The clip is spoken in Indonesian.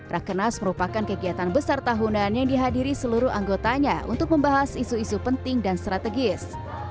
rakenas merupakan kegiatan besar tahunan yang dihadiri seluruh anggotanya untuk membahas isu isu penting dan strategis